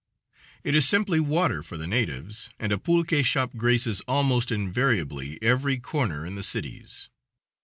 It is simply water for the natives, and a pulque shop graces, almost invariably, every corner in the cities.